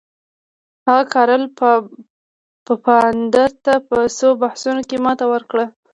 هغه کارل پفاندر ته په څو بحثونو کې ماته ورکړه.